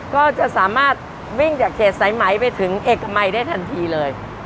ก็จะสามารถวิ่งจากเขตสายไหมไปถึงเอกมัยได้ทันทีเลย